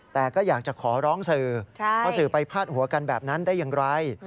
แต่ก็อยากจะขอร้องสื่อว่าสื่อไปพาดหัวกันแบบนั้นได้อย่างไร